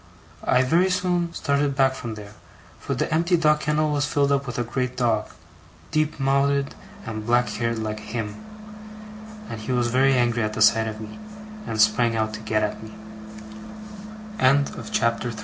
I very soon started back from there, for the empty dog kennel was filled up with a great dog deep mouthed and black haired like Him and he was very angry at the sight of me, and sprang o